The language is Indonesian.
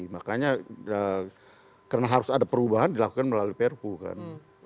makanya karena harus ada perubahan dilakukan melalui perpu kan